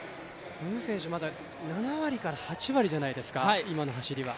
ムー選手、まだ７割から８割じゃないですか、今の走りは。